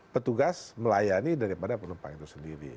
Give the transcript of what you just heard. petugas melayani daripada penumpang itu sendiri